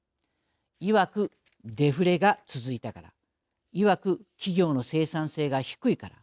いわく、デフレが続いたからいわく、企業の生産性が低いから。